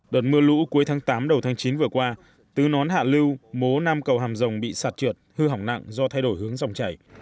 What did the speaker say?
đợt mưa lũ cuối tháng tám đầu tháng chín vừa qua tứ nón hạ lưu mố nam cầu hàm rồng bị sạt trượt hư hỏng nặng do thay đổi hướng dòng chảy